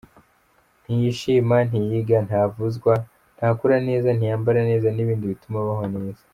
Ntiyishima, ntiyiga, ntavuzwa, ntakura neza, ntiyambara neza n’ibindi bituma abaho neza.